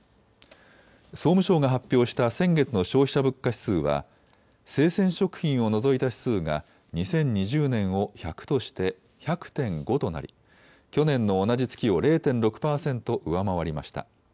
総務省が発表した先月の消費者物価指数は生鮮食品を除いた指数が２０２０年を１００として１００．５となり去年の同じ月を０．６％上回りました。